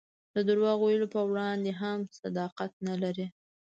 د درواغ ویلو په وړاندې هم صداقت نه لري.